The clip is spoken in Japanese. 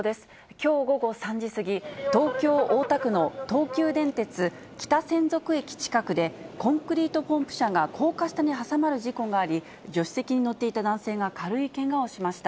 きょう午後３時過ぎ、東京・大田区の東急電鉄北千束駅近くで、コンクリートポンプ車が高架下に挟まる事故があり、助手席に乗っていた男性が軽いけがをしました。